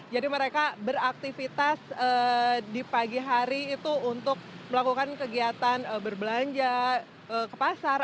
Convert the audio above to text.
jadi mereka beraktivitas di pagi hari itu untuk melakukan kegiatan berbelanja ke pasar